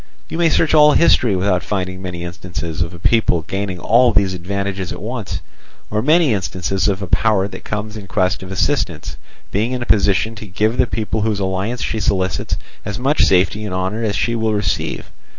You may search all history without finding many instances of a people gaining all these advantages at once, or many instances of a power that comes in quest of assistance being in a position to give to the people whose alliance she solicits as much safety and honour as she will receive.